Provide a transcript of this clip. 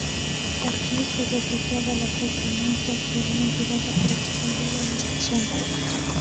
Aquí se refugiaba la foca monje actualmente dada por extinguida en esta zona.